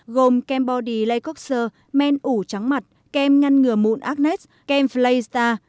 gồm kem body leicoxer men ủ trắng mặt kem ngăn ngừa mụn agnes kem flaystar